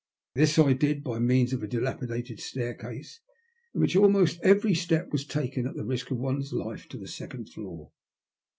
This I did by means of a dilapidated staircase, in which almost every step was taken at the risk of one's life, to the second floor.